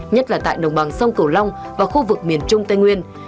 nhất là tại đồng bằng sông cửu long và khu vực miền trung tây nguyên